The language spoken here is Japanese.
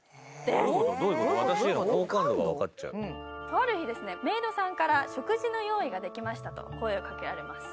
ある日、メイドさんから食事の用意ができましたと声をかけられます。